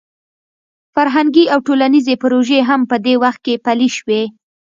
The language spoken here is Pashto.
فرهنګي او ټولنیزې پروژې هم په دې وخت کې پلې شوې.